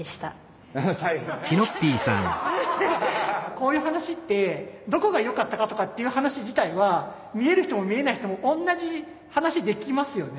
こういう話ってどこが良かったかとかっていう話自体は見える人も見えない人も同じ話できますよね。